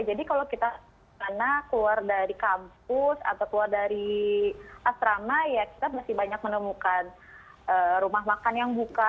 jadi kalau kita keluar dari kampus atau keluar dari asrama ya kita masih banyak menemukan rumah makan yang buka